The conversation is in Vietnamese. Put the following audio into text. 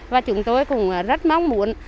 và chúng tôi cũng rất mong muốn